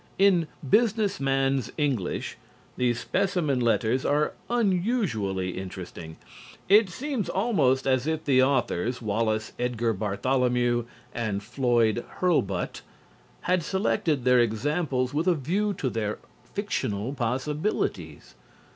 In "Business Man's English" the specimen letters are unusually interesting. It seems almost as if the authors, Wallace Edgar Bartholomew and Floyd Hurlbut, had selected their examples with a view to their fiction possibilities.